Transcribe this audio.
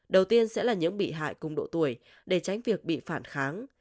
đầu tiên sẽ là những bị hại cùng độ tuổi để tránh việc bị phản kháng